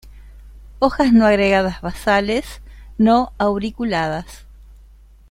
Hojas no agregadas basales; no auriculadas.